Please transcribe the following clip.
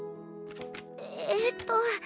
えっと